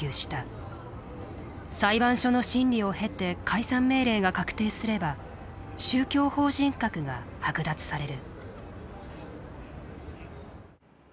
裁判所の審理を経て解散命令が確定すれば宗教法人格が剥奪される。